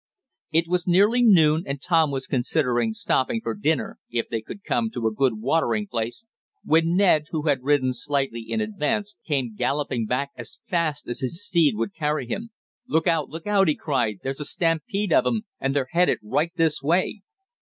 It was nearly noon, and Tom was considering stopping for dinner if they could come to a good watering place, when Ned, who had ridden slightly in advance, came galloping back as fast as his steed would carry him. "Look out! Look out!" he cried. "There's a stampede of 'em, and they're headed right this way!"